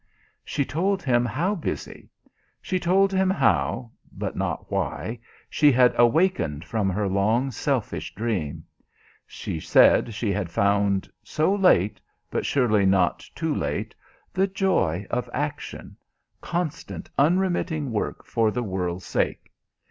She told him how busy. She told him how, (but not why) she had awakened from her long, selfish dream. She said she had found so late but surely not too late? the joy of action; constant, unremitting work for the world's sake.